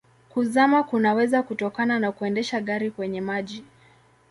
Kuzama kunaweza kutokana na kuendesha gari kwenye maji.